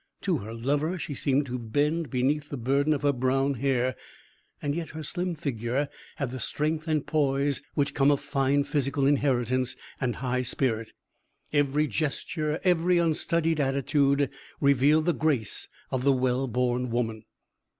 To her lover she seemed to bend beneath the burden of her brown hair, yet her slim figure had the strength and poise which come of fine physical inheritance and high spirit. Every gesture, every unstudied attitude, revealed the grace of the well born woman.